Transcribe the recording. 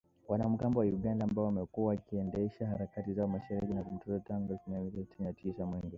Wanamgambo wa Uganda ambao wamekuwa wakiendesha harakati zao mashariki mwa Kongo tangu miaka ya elfu moja mia tisa tisini na kuua raia wengi